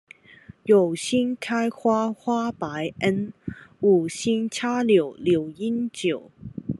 有新開花花伯恩、無心插柳柳英九